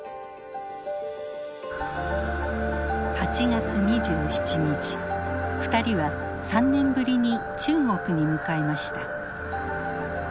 ８月２７日２人は３年ぶりに中国に向かいました。